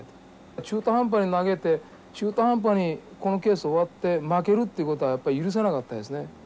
中途半端に投げて中途半端にこのケース終わって負けるっていうことはやっぱ許せなかったですね。